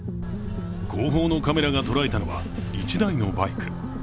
後方のカメラがとらえたのは１台のバイク。